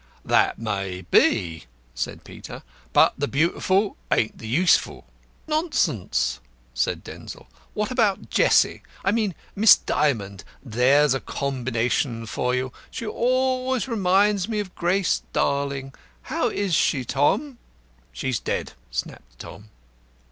"That may be," said Peter, "but the Beautiful ain't the Useful." "Nonsense!" said Denzil. "What about Jessie I mean Miss Dymond? There's a combination for you. She always reminds me of Grace Darling. How is she, Tom?" "She's dead!" snapped Tom.